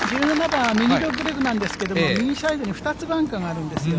１７番、右ドッグレッグなんですけど、右サイドに２つバンカーがあるんですよ。